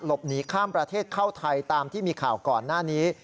หนีข้ามประเทศเข้าไทยตามที่มีข่าวก่อนหน้านี้